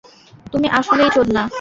তুমি আসলেই চোদনা।